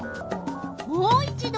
もう一ど